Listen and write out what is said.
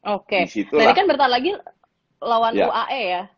oke tadi kan bertahan lagi lawan uae ya